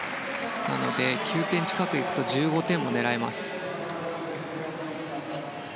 なので９点近くいくと１５点も狙えます。